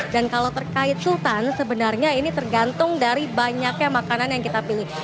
dan kalau terkait sultan sebenarnya ini tergantung dari banyaknya makanan yang kita pilih